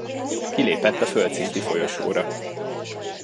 Kilépett a földszinti folyosóra.